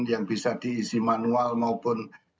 yang bisa diisi manual maupun secara perubahan